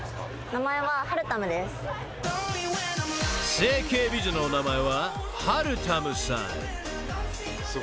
［整形美女のお名前ははるたむさん］